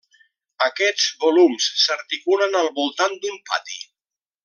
Aquests volums s'articulen al voltant d'un pati.